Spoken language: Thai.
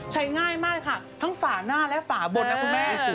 ง่ายมากเลยค่ะทั้งฝาหน้าและฝาบนนะคุณแม่